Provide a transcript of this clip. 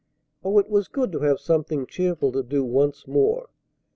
Oh, it was good to have something cheerful to do once more.